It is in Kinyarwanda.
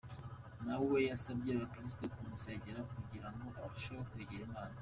Na we yasabye abakristo kumusengera kugira ngo arusheho kwegera Imana.